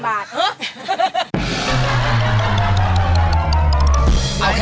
เมื่อ๑๐๐๐บาท